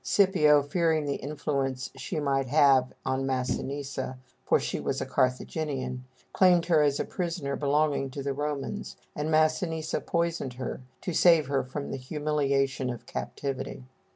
Scipio, fearing the influence she might have on Massinissa (for she was a Carthaginian), claimed her as a prisoner belonging to the Romans, and Massinissa poisoned her, to save her from the humiliation of captivity.